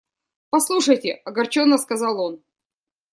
– Послушайте! – огорченно сказал он.